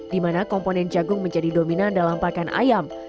di mana komponen jagung menjadi dominan dalam pakan ayam